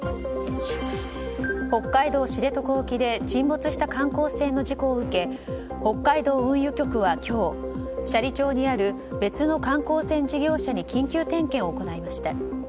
北海道知床沖で沈没した観光船の事故を受け北海道運輸局は今日斜里町にある別の観光船事業者に緊急点検を行いました。